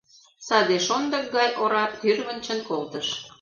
Саде шондык гай ора тӱрвынчын колтыш.